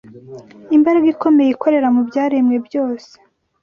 imbaraga ikomeye ikorera mu byaremwe byose